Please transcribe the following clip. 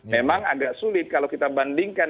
memang agak sulit kalau kita bandingkan